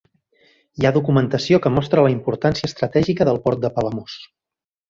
Hi ha documentació que mostra la importància estratègica del port de Palamós.